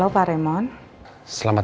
sampai jumpa lagi